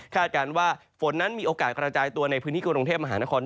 การว่าฝนนั้นมีโอกาสกระจายตัวในพื้นที่กรุงเทพมหานคร